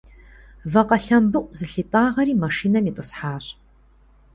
Вакъэ лъэмбыӏу зылъитӏагъэри машинэм итӏысхьащ.